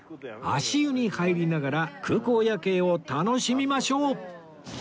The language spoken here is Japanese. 足湯に入りながら空港夜景を楽しみましょう！